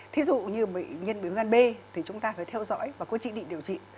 thí dụ như nhiên biến gan b thì chúng ta phải theo dõi và có trị định điều trị